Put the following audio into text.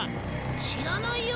知らないよ。